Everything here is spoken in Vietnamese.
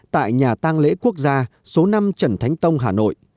tại nhà tàng lễ quốc gia số năm trần thánh tông hà nội